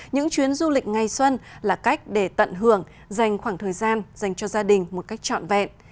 những chuyến du lịch ngày xuân là cách để tận hưởng dành khoảng thời gian dành cho gia đình một cách trọn vẹn